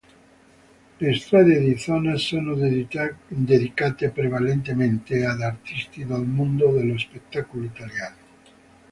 Le strade di zona sono dedicate, prevalentemente, ad artisti del mondo dello spettacolo italiano.